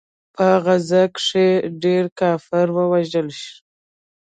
په غزا کښې يې ډېر کفار ووژل.